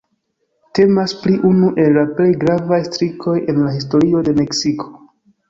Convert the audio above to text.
Temas pri unu el la plej gravaj strikoj en la historio de Meksiko.